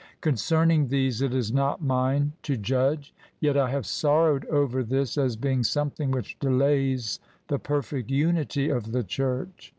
Concerning these it is not mine to judge. Yet I have sorrowed over this as being something which delays the perfect unity of the church.